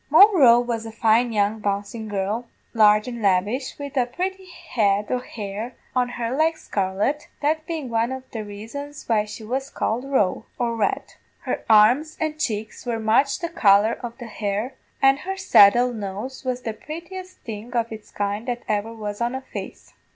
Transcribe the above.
"Moll Roe was a fine young bouncin' girl, large and lavish, wid a purty head o' hair on her like scarlet, that bein' one of the raisons why she was called Roe, or red; her arms an' cheeks were much the colour of the hair, an' her saddle nose was the purtiest thing of its kind that ever was on a face.